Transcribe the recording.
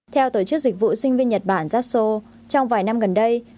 theo tổ chức dịch vụ sinh viên nhật bản zasso trong vài năm gần đây